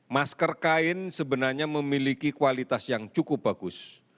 masker kain sebenarnya memiliki kualitas yang cukup bagus